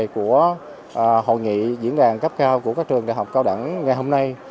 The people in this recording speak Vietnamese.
của hội nghị diễn đàn cấp cao của các trường đại học cao đẳng ngày hôm nay